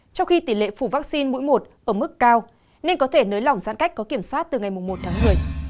trong khi tỷ lệ phủ vaccine mũi một ở mức cao nên có thể nới lỏng giãn cách có kiểm soát từ ngày một tháng một mươi